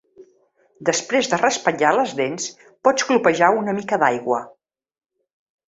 Després de raspallar les dents, pots glopejar una mica d'aigua.